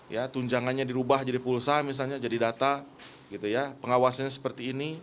ya tunjangannya dirubah jadi pulsa misalnya jadi data gitu ya pengawasannya seperti ini